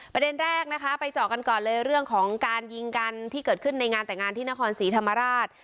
ประเด็นแรกนะคะไปเจาะกันก่อนเลยเรื่องของการยิงกันที่เกิดขึ้นในงานแต่งงานที่นครศรีธรรมราช